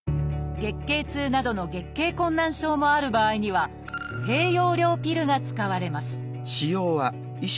月経痛などの月経困難症もある場合には低用量ピルが使われます